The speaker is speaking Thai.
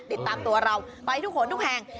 ติดตามตัวเราไปทุกคนทุกแห่ง